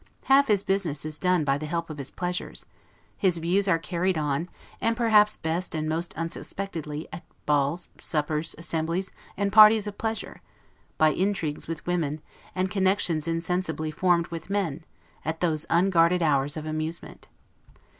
Half his business is done by the help of his pleasures; his views are carried on, and perhaps best and most unsuspectedly, at balls, suppers, assemblies, and parties of pleasure; by intrigues with women, and connections insensibly formed with men, at those unguarded hours of amusement.